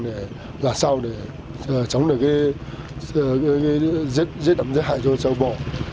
để làm sao để chống được cái giết ẩm giết hại cho châu bò